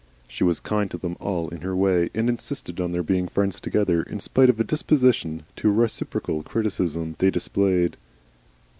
She was kind to them all in her way, and insisted on their being friends together, in spite of a disposition to reciprocal criticism they displayed.